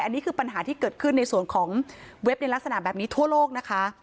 อันนี้คือปัญหาที่เกิดขึ้นในส่วนของเว็บในลักษณะแบบนี้ทั่วโลกนะคะ